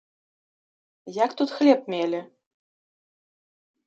Як тут хлеб мелі?